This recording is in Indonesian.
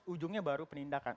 ujungnya baru penindakan